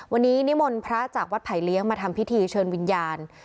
วันนี้นิมนต์พระจากวัดไผ่เลี้ยงมาทำพิธีเชิญวิญญาณ